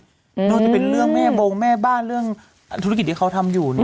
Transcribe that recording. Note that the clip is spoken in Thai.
น่าจะเป็นเรื่องแม่บงแม่บ้านเรื่องธุรกิจที่เขาทำอยู่